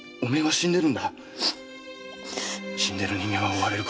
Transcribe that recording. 死んでる人間は追われることはない。